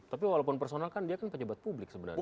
tapi walaupun personal kan dia kan pejabat publik sebenarnya